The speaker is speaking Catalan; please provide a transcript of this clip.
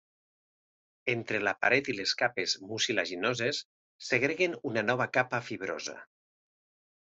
Entre la paret i les capes mucilaginoses segreguen una nova capa fibrosa.